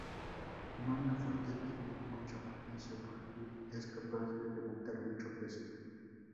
Un hombre fuerte tiene mucha potencia porque es capaz de levantar mucho peso.